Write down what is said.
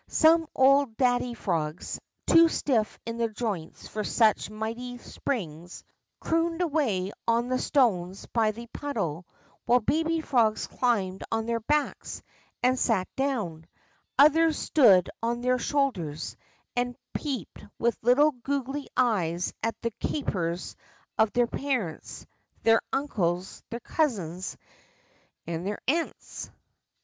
Some old daddy frogs, too stiff in the joints for such mighty springs, crooned away on the stones by the puddle, while baby frogs climbed on their backs and sat down, otliers stood on their shoulders and peeped with little goggly eyes at the capers of their parents, their uncles, their cousins, and their aunts.